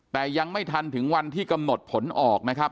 แต่ยังไม่ทันถึงวันที่กำหนดผลออกนะครับ